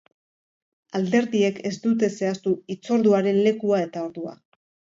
Alderdiek ez dute zehaztu hitzorduaren lekua eta ordua.